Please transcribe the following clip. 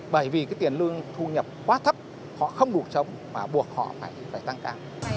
bởi vì tiền lương thu nhập quá thấp họ không đủ sống và buộc họ phải tăng ca